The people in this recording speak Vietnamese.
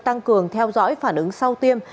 tăng cường theo dõi phản ứng sau tiêm